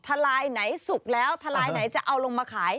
ทลายไหนสุกแล้วทลายไหนจะเอาลงมาขาย